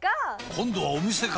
今度はお店か！